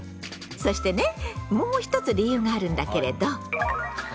そしてねもう一つ理由があるんだけれど。